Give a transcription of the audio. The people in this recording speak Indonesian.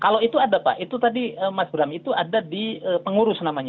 kalau itu ada pak itu tadi mas bram itu ada di pengurus namanya